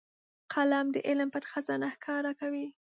قلم د علم پټ خزانه ښکاره کوي